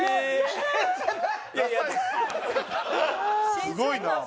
すごいなあ。